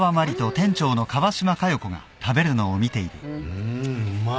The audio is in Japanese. うーんうまい。